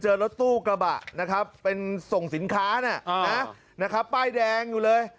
รถตู้กระบะนะครับเป็นส่งสินค้านะครับป้ายแดงอยู่เลย